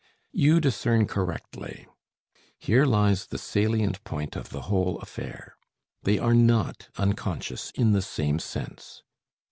You discern correctly. Here lies the salient point of the whole affair. They are not unconscious in the same sense.